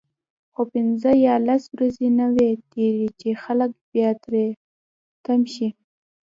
خو پنځه یا لس ورځې نه وي تیرې چې خلک بیا تری تم شي.